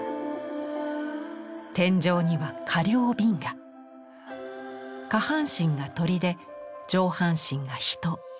天井には下半身が鳥で上半身が人。